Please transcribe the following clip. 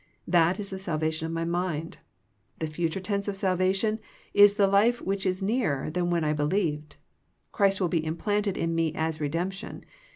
That is the salvation of my mind. The future tense of salvation is the life which is nearer than when I believed. Christ will be implanted in me as redemption.